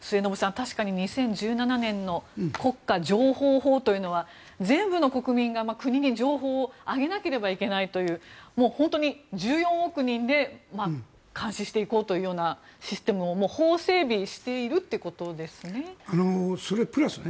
確かに、２０１７年の国家情報法というのは全部の国民が国に情報をあげなければいけないという本当に１４億人で監視していこうというようなシステムをもう法整備しているということですね。